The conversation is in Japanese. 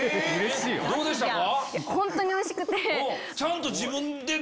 どうでしたか？